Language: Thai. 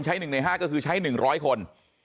๑ใน๕ก็คือใช้๑๐๐คน